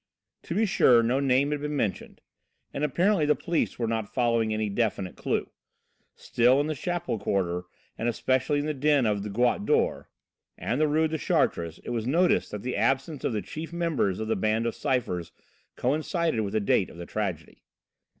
To be sure no name had been mentioned, and apparently the police were not following any definite clue. Still, in the Chapelle quarter, and especially in the den of the "Goutte d'Or" and the Rue de Chartres, it was noticed that the absence of the chief members of the Band of Cyphers coincided with the date of the tragedy.